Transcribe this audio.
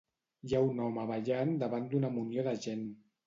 Hi ha un home ballant davant d'una munió de gent.